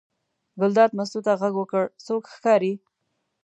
ګلداد مستو ته غږ وکړ: څوک ښکاري.